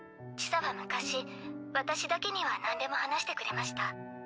千紗は昔私だけにはなんでも話してくれました。